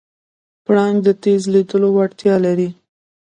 پړانګ د تېز لیدلو وړتیا لري.